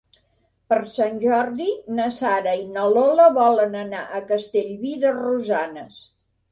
Per Sant Jordi na Sara i na Lola volen anar a Castellví de Rosanes.